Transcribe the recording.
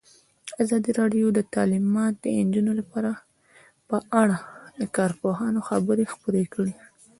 ازادي راډیو د تعلیمات د نجونو لپاره په اړه د کارپوهانو خبرې خپرې کړي.